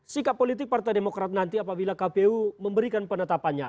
sikap politik partai demokrat nanti apabila kpu memberikan penetapannya